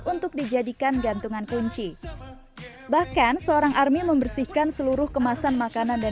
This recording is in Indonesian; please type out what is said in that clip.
untuk dijadikan gantungan kunci bahkan seorang army membersihkan seluruh kemasan makanan dan